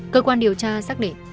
cơ quan điều tra xác định